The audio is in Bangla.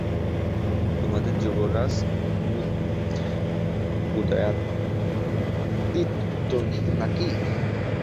তােমাদের যুবরাজ উদয়াদিত্য না কি?